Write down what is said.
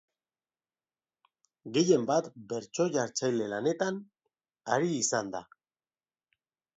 Gehien bat bertso-jartzaile lanetan ari izan da.